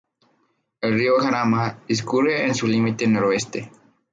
El río Jarama discurre en su límite noroeste.